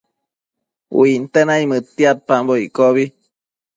Uinte naimëdtiadpambo iccobi